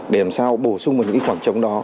để làm sao bổ sung vào những khoảng trống đó